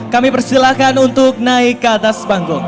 kami persilahkan untuk naik ke atas panggung